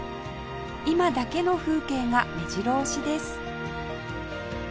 今だけの風景が目白押しです